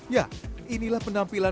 ya inilah penampilan